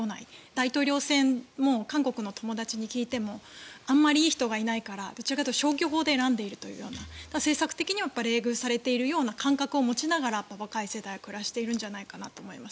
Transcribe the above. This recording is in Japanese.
大統領選も韓国の友達に聞いてもあまりいい人がいないからぶっちゃけいうと消去法で選んでいるというような政策的には冷遇されているような感覚を持ちながら若い世代は暮らしてるんじゃないかと思います。